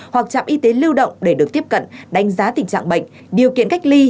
hoặc trạm y tế lưu động để được tiếp cận đánh giá tình trạng bệnh điều kiện cách ly